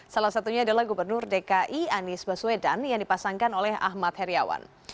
salah satunya adalah gubernur dki anies baswedan yang dipasangkan oleh ahmad heriawan